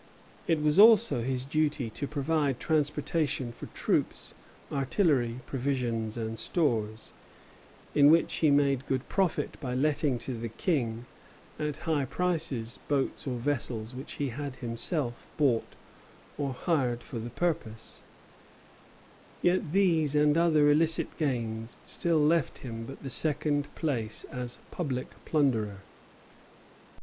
It was also his duty to provide transportation for troops, artillery, provisions, and stores, in which he made good profit by letting to the King, at high prices, boats or vessels which he had himself bought or hired for the purpose. Jugement rendu souverainement dans l'Affaire du Canada. Yet these and other illicit gains still left him but the second place as public plunderer.